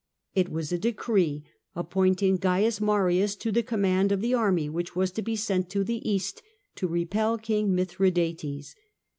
It was a decree appointing Cains Marius to the command of the army which was to be sent to the East to repel King Mithradates.